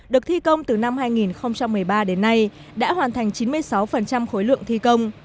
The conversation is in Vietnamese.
được thi công từ năm hai nghìn một mươi ba đến nay đã hoàn thành chín mươi sáu khối lượng thi công